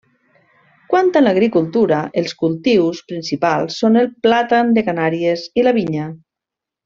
Quant a l'agricultura, els cultius principals són el plàtan de Canàries i la vinya.